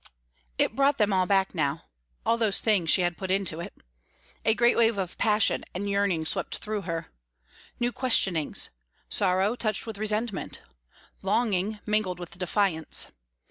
It brought them all back now all those things she had put into it. A great wave of passion and yearning swept through her; new questionings, sorrow touched with resentment, longing mingled with defiance.